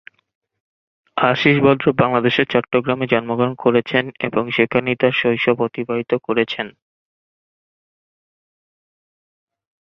আশীষ ভদ্র বাংলাদেশের চট্টগ্রামে জন্মগ্রহণ করেছেন এবং সেখানেই তার শৈশব অতিবাহিত করেছেন।